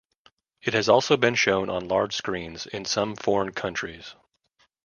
It has also been shown on large screens in some foreign countries.